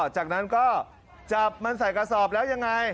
จากนั้นก็จับมันใส่กระสอบแล้วยังไง